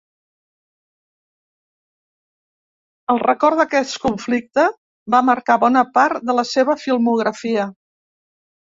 El record d’aquest conflicte va marcar bona part de la seva filmografia.